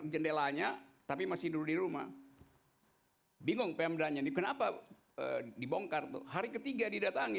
jendelanya tapi masih dulu di rumah bingung pemdanya kenapa dibongkar tuh hari ketiga didatangi